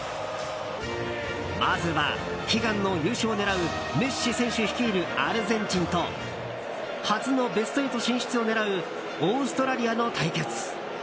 まずは、悲願の優勝を狙うメッシ選手率いるアルゼンチンと初のベスト８進出を狙うオーストラリアの対決。